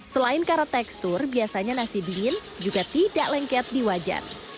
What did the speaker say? selain karena tekstur biasanya nasi dingin juga tidak lengket di wajan